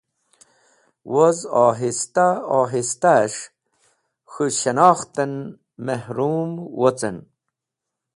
Woz Ohista Ohistahes̃h k̃hu Shanakhten mehrum wocen.